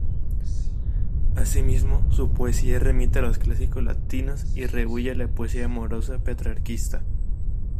Asimismo, su poesía remite a los clásicos latinos y rehúye la poesía amorosa petrarquista.